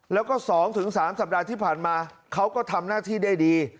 แล้วก็๒๓สัปดาห์ที่ผ่านมาเขาก็ทำหน้าที่ได้ดี